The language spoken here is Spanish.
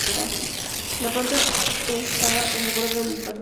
La pronta estaba en el borde de un pantano.